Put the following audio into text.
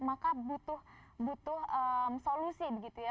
maka butuh solusi